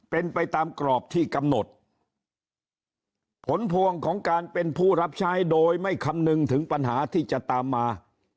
เป็นไปตามกรอบที่กำหนดผลพวงของการเป็นผู้รับใช้โดยไม่คำนึงถึงปัญหาที่จะตามมา